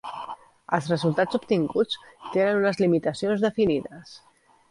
Els resultats obtinguts tenen unes limitacions definides.